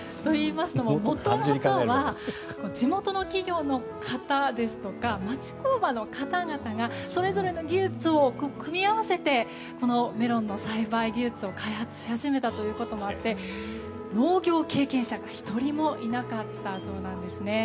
もともとは地元の企業の方ですとか町工場の方々がそれぞれの技術を組み合わせてこのメロンの栽培技術を開発し始めたということもあって農業経験者が１人もいなかったそうなんです。